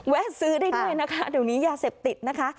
ซื้อได้ด้วยนะคะเดี๋ยวนี้ยาเสพติดนะคะ